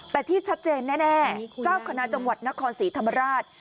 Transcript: แต่ที่ชัดเจนแน่เจ้าคณะจังหวัดนครศรีธรรมราช